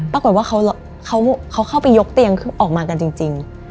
ปรากฏว่าเขาเข้าไปยกเตียงออกมากันจริง